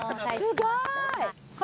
すごい！